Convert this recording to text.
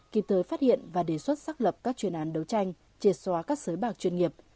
kịp thời phát hiện và đề xuất xác lập các chuyên án đấu tranh triệt xóa các sới bạc chuyên nghiệp